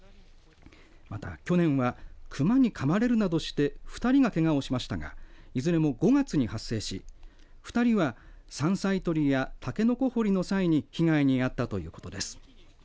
また去年は熊にかまれるなどして２人がけがをしましたがいずれも５月に発生し２人は山菜採りやたけのこ掘りの際に被害に遭ったということです。